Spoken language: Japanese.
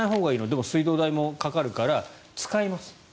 でも、水道代もかかるから使います。